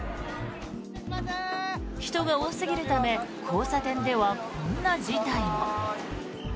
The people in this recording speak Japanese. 人が多すぎるため交差点ではこんな事態も。